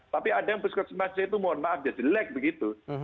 tapi ada yang puskesmasnya itu mohon maaf dia jelek begitu ya